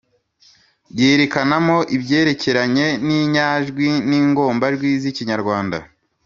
Yerekanamo ibyerekeranye n’inyajwi n’ingombajwi z’Ikinyarwanda,